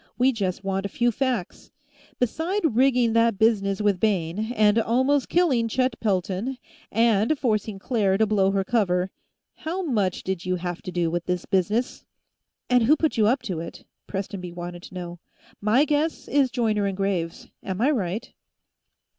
"We just want a few facts. Beside rigging that business with Bayne, and almost killing Chet Pelton, and forcing Claire to blow her cover, how much did you have to do with this business?" "And who put you up to it?" Prestonby wanted to know. "My guess is Joyner and Graves. Am I right?"